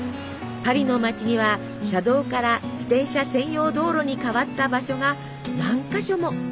パリの街には車道から自転車専用道路に変わった場所が何か所も。